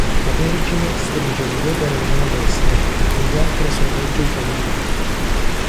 La Vergine stringe un globo nella mano destra e con l'altra sorregge il Bambino.